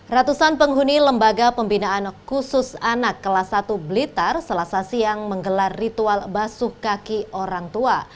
ratusan penghuni lembaga pembinaan khusus anak kelas satu blitar selasa siang menggelar ritual basuh kaki orang tua